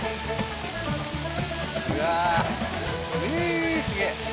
うわすげえ！